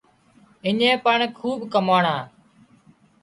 اڃين پڻ کوٻ ڪماڻا